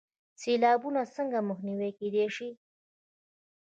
سیلابونه څنګه مخنیوی کیدی شي؟